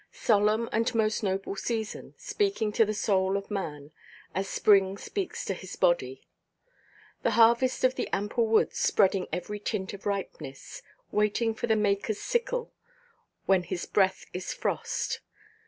Solemn and most noble season, speaking to the soul of man, as spring speaks to his body. The harvest of the ample woods spreading every tint of ripeness, waiting for the Makerʼs sickle, when His breath is frost.